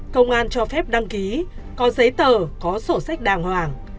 công an cho phép đăng ký có giấy tờ có sổ sách đàng hoàng